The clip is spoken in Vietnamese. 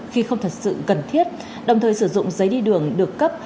khi không thật sự cần thiết đồng thời sử dụng giấy đi đường được cấp